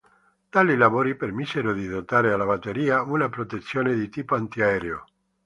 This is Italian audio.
Tali lavori permisero di dotare alla Batteria una protezione di tipo antiaereo.